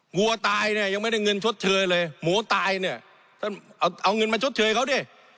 วัวตายเนี่ยยังไม่ได้เงินชดเชยเลยหมูตายเนี่ยท่านเอาเงินมาชดเชยเขาดิ